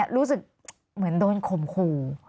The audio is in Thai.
รู้สึกเหมือนโดนข่มขู่